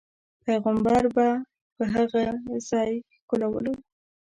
پیغمبر به په هغه ځاې ښکلو.